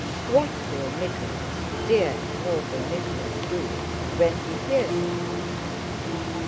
What will Nicholas, dear noble Nicholas, do when he hears of it?